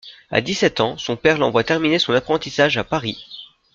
À dix-sept ans, son père l'envoie terminer son apprentissage à Paris.